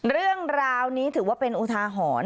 เรื่องราวนี้ถือว่าเป็นอุทาหรณ์